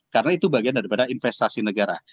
karena itu bagian daripada investasi negara